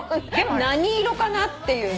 何色かなっていうね。